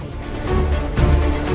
jakarta kota megapolitan